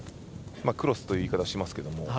クロスという言い方しますけども。